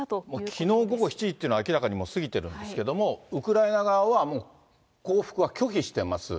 きのう午後７時というのは明らかにもう過ぎてるんですけれども、ウクライナ側はもう降伏は拒否してます。